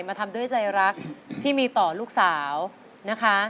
มาทำด้วยใจรักที่มีต่อลูกสาวนะคะ